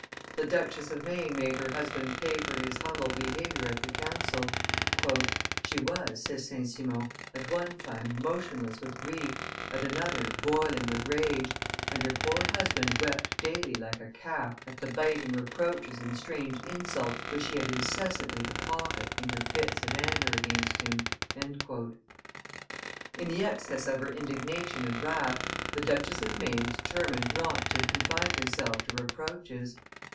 The Duchess of Maine made her husband pay for his humble behavior at the council; "she was," says St. Simon, "at one time motionless with grief, at another boiling with rage, and her poor husband wept daily like a calf at the biting reproaches and strange insults which he had incessantly to pocket in her fits of anger against him." In the excess of her indignation and wrath, the Duchess of Maine determined not to confine herself to reproaches.